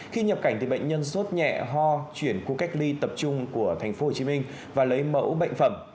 khi nhập cảnh bệnh nhân xốt nhẹ ho chuyển khu cách ly tập trung của thành phố hồ chí minh và lấy mẫu bệnh phẩm